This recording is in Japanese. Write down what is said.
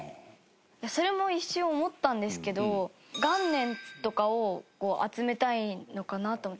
芦田：それも一瞬思ったんですけど元年とかを集めたいのかなと思って。